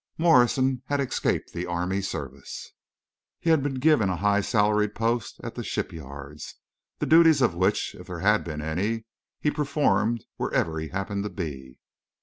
Morrison had escaped the army service. He had been given a high salaried post at the ship yards—the duties of which, if there had been any, he performed wherever he happened to be.